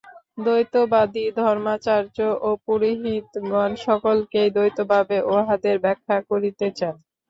দ্বৈতবাদী ধর্মাচার্য ও পুরোহিতগণ সকলকেই দ্বৈতভাবে উহাদের ব্যাখ্যা করিতে চান।